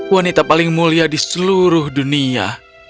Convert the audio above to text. wanita paling mulia di seluruh dunia